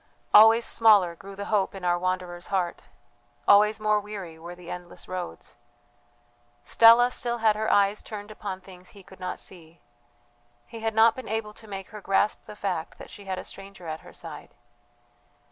Always smaller grew the hope in our wanderer's heart, always more weary were the endless roads. Stella still had her eyes turned upon things he could not see. He had not been able to make her grasp the fact that she had a stranger at her side.